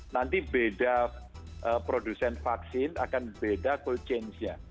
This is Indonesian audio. nanti beda produsen vaksin akan beda gold chainnya